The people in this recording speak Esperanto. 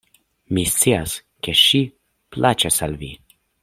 Mi scias, ke ŝi plaĉas al Vi.